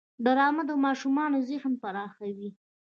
ډرامه د ماشومانو ذهن پراخوي